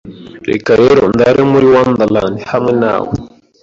Reka rero ndare muri wonderland hamwe nawe